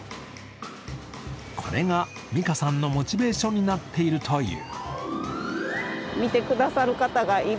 これが美香さんのモチベーションになっているという。